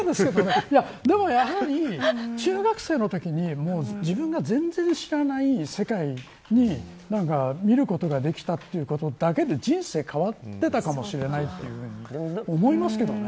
でも、やはり中学生のときに自分が全然知らない世界を見ることができたということだけで人生、変わっていたかもしれないというふうにね思いますけどね。